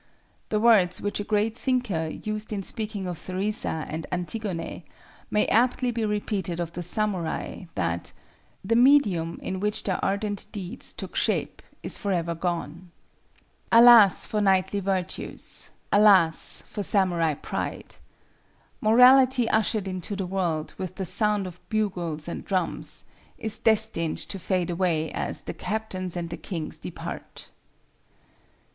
The words which a great thinker used in speaking of Theresa and Antigone may aptly be repeated of the samurai, that "the medium in which their ardent deeds took shape is forever gone." [Footnote 35: Norman Conquest, Vol. V, p. 482.] Alas for knightly virtues! alas for samurai pride! Morality ushered into the world with the sound of bugles and drums, is destined to fade away as "the captains and the kings depart."